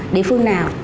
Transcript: địa phương nào